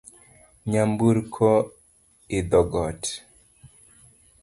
Nyamburko idho got